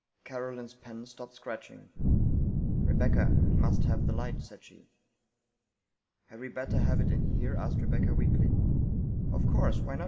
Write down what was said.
Caroline's pen stopped scratching. " Rebecca, we must have the light," said she. " Had we better have it in here ?" asked Rebecca weakly. " Of course ! Why not